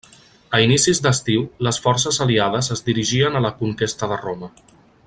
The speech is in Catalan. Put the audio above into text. A inicis d'estiu, les forces aliades es dirigien a la conquesta de Roma.